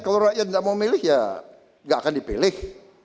kalau rakyat tidak mau memilih ya tidak akan dipilih